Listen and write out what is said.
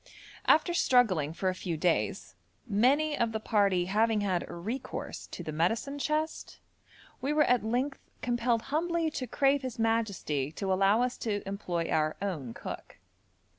After struggling for a few days, many of the party having had recourse to the medicine chest, we were at length compelled humbly to crave his majesty to allow us to employ our own cook.